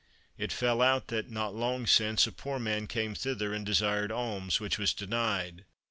It fell out that, not long since, a poor man came thither and desired alms, which was denied.